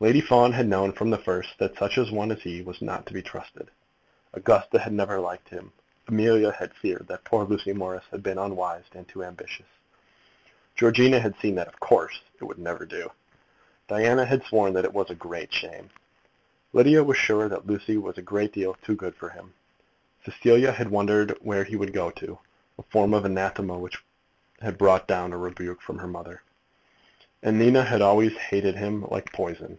Lady Fawn had known from the first that such a one as he was not to be trusted. Augusta had never liked him. Amelia had feared that poor Lucy Morris had been unwise, and too ambitious. Georgina had seen that, of course, it would never do. Diana had sworn that it was a great shame. Lydia was sure that Lucy was a great deal too good for him. Cecilia had wondered where he would go to; a form of anathema which had brought down a rebuke from her mother. And Nina had always hated him like poison.